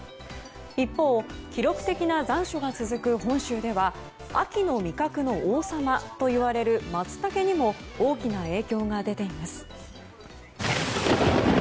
一方、記録的な残暑が続く本州では秋の味覚の王様といわれるマツタケにも大きな影響が出ています。